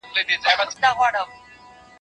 چي خاوند به یې روان مخ پر کوټې سو